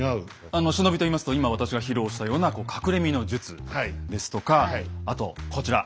あの忍びといいますと今私が披露したような「隠れ身の術」ですとかあとこちら。